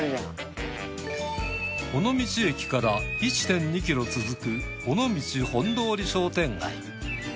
尾道駅から１．２ｋｍ続く尾道本通り商店街。